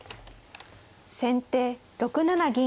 先手６七銀。